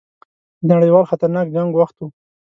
د نړیوال خطرناک جنګ وخت وو.